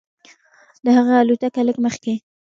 د هغه الوتکه لږ مخکې.